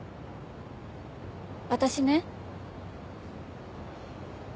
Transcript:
私ね。